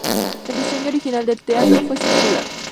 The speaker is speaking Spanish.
El diseño original del teatro fue circular.